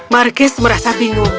marcus merasa bingung